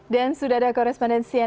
dan sudah ada korespondensi